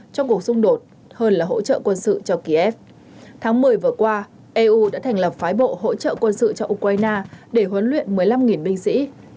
trong cuộc xung đột hơn là hỗ trợ quân sự cho kiev tháng một mươi vừa qua eu đã thành lập phái bộ hỗ trợ quân sự cho ukraine để huấn luyện một mươi năm binh sĩ trong khi một số quốc gia châu âu khác đã tổ chức các khóa huấn luyện chiến đấu riêng cho binh lính ukraine